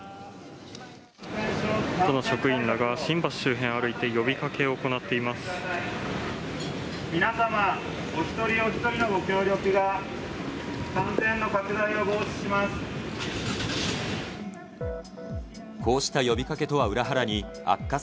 都の職員らが新橋周辺を歩い皆様、お一人お一人のご協力が、感染の拡大を防止します。